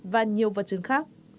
và nhiều vật chứng khác